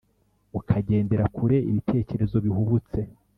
ukagendera kure ibitekerezo bihubutse,